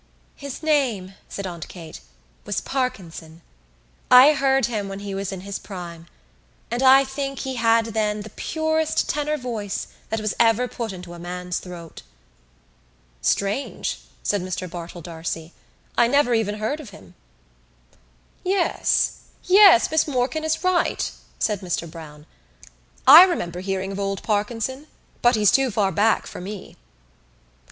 "His name," said Aunt Kate, "was Parkinson. I heard him when he was in his prime and I think he had then the purest tenor voice that was ever put into a man's throat." "Strange," said Mr Bartell D'Arcy. "I never even heard of him." "Yes, yes, Miss Morkan is right," said Mr Browne. "I remember hearing of old Parkinson but he's too far back for me."